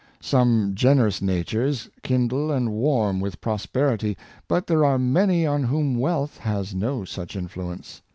Some generous natures kindle and warm with prosperity, but there are many on whom wealth has no such influence.